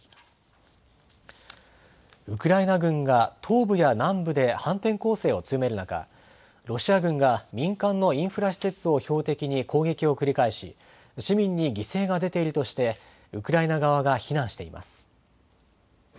ウクライナ軍が東部や南部で反転攻勢を強める中、ロシア軍が民間のインフラ施設を標的に攻撃を繰り返し、市民に犠牲が出ているとして、ウクライナ側が非難しています。